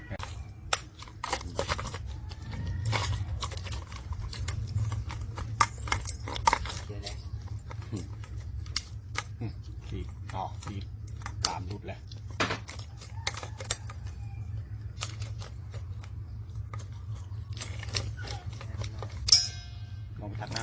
อืมอืมดีอ๋อดีตามรูปแหละ